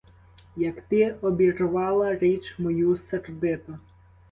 Як ти обірвала річ мою сердито!